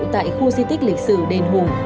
tại khu di tích lịch sử đền hùng